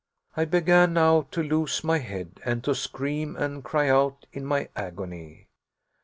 I began now to lose my head and to scream and cry out in my agony.